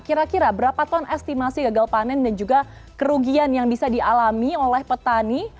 kira kira berapa ton estimasi gagal panen dan juga kerugian yang bisa dialami oleh petani